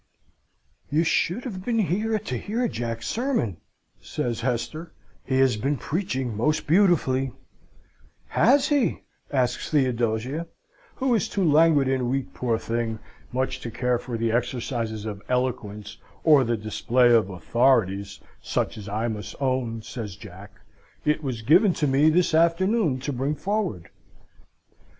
"'You should have been here to hear Jack's sermon!' says Hester. 'He has been preaching most beautifully.' "'Has he?' asks Theodosia, who is too languid and weak, poor thing, much to care for the exercises of eloquence, or the display of authorities, such as I must own," says Jack, "it was given to me this afternoon to bring forward.